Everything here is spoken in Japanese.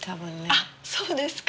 あっそうですか。